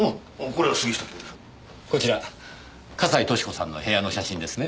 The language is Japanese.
こちら笠井俊子さんの部屋の写真ですね？